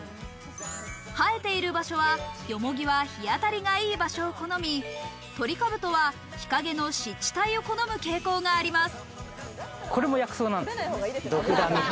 生えている場所はヨモギは日当たりがいい場所を好み、トリカブトは日陰の湿地帯を好む傾向があります。